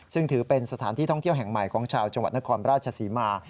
ซึ่งถือเป็นสถานที่ท่องเที่ยวแห่งใหม่ของชาวจังหวัดนครราชศรีมา